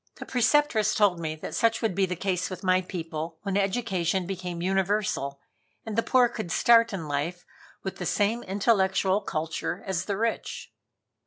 The Preceptress told me that such would be the case with my people when education became universal and the poor could start in life with the same intellectual culture as the rich.